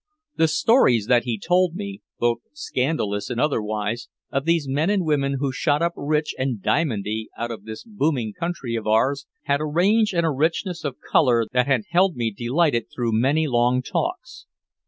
The stories that he told me, both scandalous and otherwise, of these men and women who shot up rich and diamondy out of this booming country of ours, had a range and a richness of color that had held me delighted through many long talks.